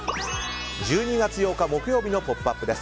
１２月８日、木曜日の「ポップＵＰ！」です。